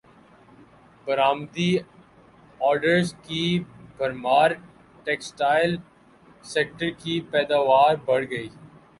برامدی orders کی بھرمار textile سیکٹرکی پیداوار بڑھ گئی